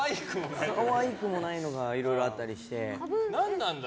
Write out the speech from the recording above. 可愛くもないものがいろいろあったりして。